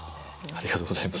ありがとうございます。